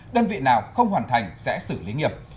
đơn vị nào không hoàn thành sẽ xử lý nghiệp